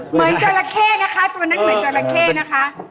จราเข้นะคะตัวนั้นเหมือนจราเข้นะคะ